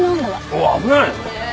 おお危ない！